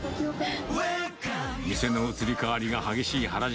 店の移り変わりが激しい原宿。